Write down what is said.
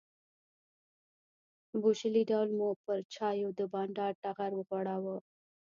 بوشلې ډول مو پر چایو د بانډار ټغر وغوړاوه.